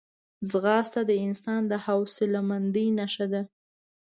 ځغاسته د انسان د حوصلهمندۍ نښه ده